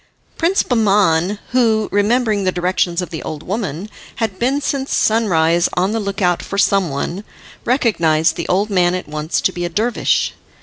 Prince Bahman, who, remembering the directions of the old woman, had been since sunrise on the look out for some one, recognised the old man at once to be a dervish.